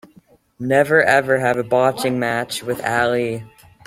Never ever have a boxing match with Ali!